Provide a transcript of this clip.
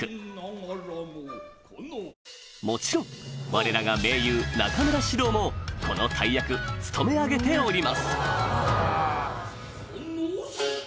もちろん我らが名優中村獅童もこの大役務め上げております